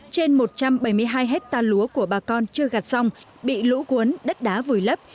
trên một trăm bảy mươi hai hectare lúa của bà con chưa gạt xong bị lũ cuốn đất đá vùi lấp